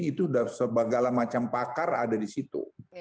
itu sudah segala macam pakar ada di situ